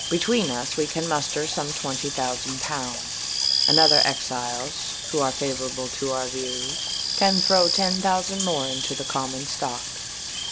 Between us we can muster some twenty thousand pounds; and other exiles, who are favourable to our views, can throw ten thousand more into the common stock."